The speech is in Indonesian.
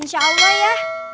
insya allah ya